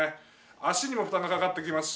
足にも負担がかかってきますし。